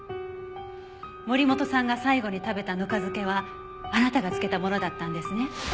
森本さんが最後に食べたぬか漬けはあなたが漬けたものだったんですね？